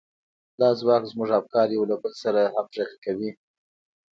دا ځواک زموږ افکار يو له بل سره همغږي کوي.